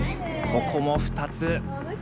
ここも２つ。